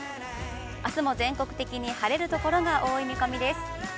あすも全国的に晴れるところが多い見込みです。